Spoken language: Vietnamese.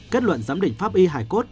kết luận giám đỉnh pháp y hải cốt